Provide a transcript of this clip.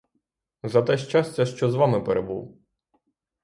За те щастя, що з вами перебув.